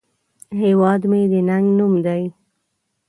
هیواد مې د ننگ نوم دی